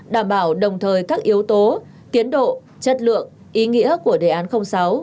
đảm bảo đồng thời các yếu tố tiến độ chất lượng ý nghĩa của đề án sáu